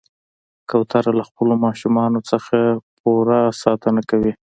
کوتره له خپلو ماشومانو نه پوره ساتنه کوي.